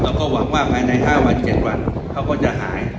ก็หวังว่าภายใน๕วัน๗วันเขาก็จะหาย